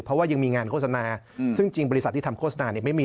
เพราะว่ายังมีงานโฆษณาซึ่งจริงบริษัทที่ทำโฆษณาเนี่ยไม่มี